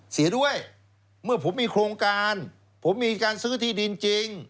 เสียด้วยเมื่อผมมีโครงการผมมีการซื้อที่ดินจริง